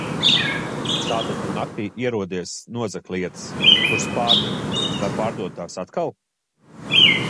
Tātad tu naktī ierodies nozagt lietas, kuras pārdevi, lai pārdotu tās atkal?